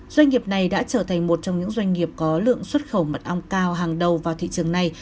doanh nghiệp này đã trở thành một trong những doanh nghiệp có lượng xuất khẩu mật ong cao hàng đầu vào thị trường này